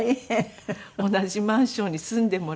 同じマンションに住んでもらって。